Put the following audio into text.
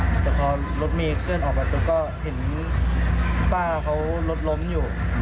แต่พอรถเมย์เคลื่อนออกมาปุ๊บก็เห็นป้าเขารถล้มอยู่